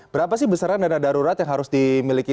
berapa sih besaran dana darurat yang harus dimiliki